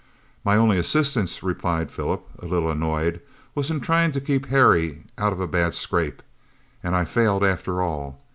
"My only assistance," replied Philip, a little annoyed, "was in trying to keep Harry out of a bad scrape, and I failed after all.